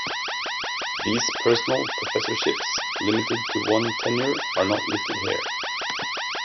These "personal" professorships limited to one tenure are not listed here.